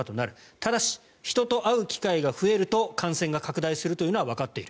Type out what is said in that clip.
ただし、人と会う機会が増えると感染が拡大するというのはわかっている。